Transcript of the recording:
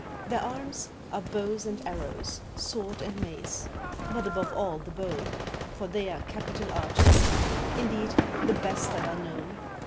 Their arms are bows and arrows, sword and mace; but above all the bow, for they are capital archers; indeed, the best that are known.